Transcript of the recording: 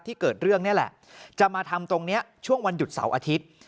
เกิดเรื่องนี่แหละจะมาทำตรงนี้ช่วงวันหยุดเสาร์อาทิตย์